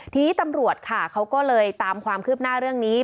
ทีนี้ตำรวจค่ะเขาก็เลยตามความคืบหน้าเรื่องนี้